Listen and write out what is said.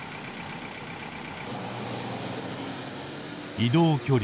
移動距離